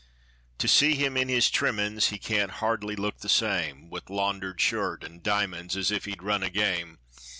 To see him in his trimmins, he can't hardly look the same, With laundered shirt and diamonds, as if "he run a game."